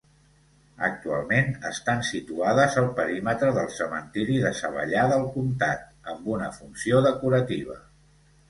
Actualment estan situades al perímetre del cementiri de Savallà del Comtat, amb una funció decorativa.